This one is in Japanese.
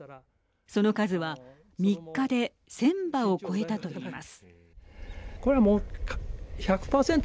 その数は３日で１０００羽を超えたと言います。